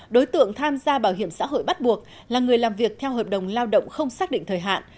đối tượng tham gia bảo hiểm xã hội bắt buộc là người làm việc theo hợp đồng lao động không xác định thời hạn